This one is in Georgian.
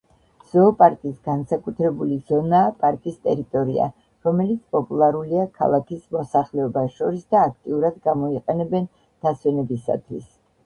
ზოოპარკის განსაკუთრებული ზონაა პარკის ტერიტორია, რომელიც პოპულარულია ქალაქის მოსახლეობას შორის და აქტიურად გამოიყენებენ დასვენებისათვის.